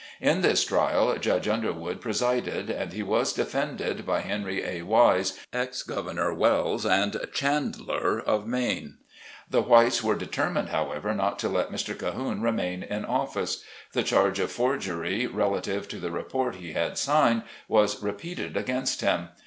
In this trial Judge Underwood presided, and he was defended by Henry A. Wise, Ex Governor Wells, and Chandler of Maine. The whites were determined, however, not to let Mr. Cahoone remain in office. The charge of forg ery relative to the report he had signed, was repeated against him.